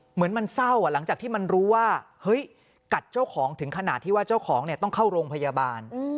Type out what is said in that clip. เหมือนมันเศร้าหลังจากที่มันรู้ว่าเฮ้ยกัดเจ้าของถึงขนาดที่ว่าเจ้าของเนี่ยต้องเข้าโรงพยาบาล